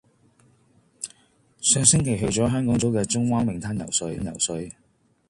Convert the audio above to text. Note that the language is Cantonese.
上星期去咗香港島嘅中灣泳灘游水。